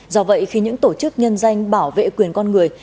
do vậy khi những tổ chức nhân danh bảo vệ quyền con người